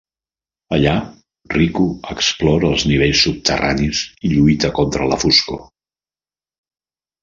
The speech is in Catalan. Allà, Riku explora els nivells subterranis i lluita contra la foscor.